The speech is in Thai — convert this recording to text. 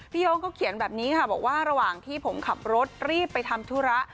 โยงก็เขียนแบบนี้ค่ะบอกว่าระหว่างที่ผมขับรถรีบไปทำธุระ